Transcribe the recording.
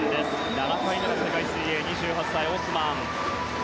７回目の世界水泳２８歳のオスマン。